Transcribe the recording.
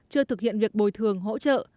chưa thực hiện việc bồi thường hỗ trợ